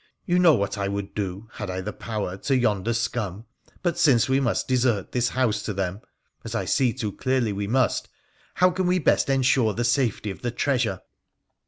You know what I would do, had I the power, to yonder scum ; but, since we must desert this house to them (as I see too clearly we must), how can we best ensure the safety of the treasure